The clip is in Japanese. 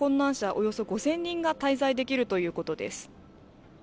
およそ５０００人が滞在できるということです。